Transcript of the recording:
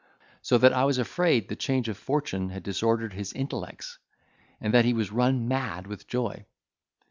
So that I was afraid the change of fortune had disordered his intellects, and that he was run mad with joy.